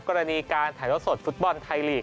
กรณีการถ่ายรถสดฟุตบอลไทยลีก